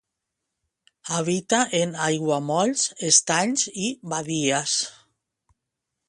Habita en aiguamolls, estanys i badies.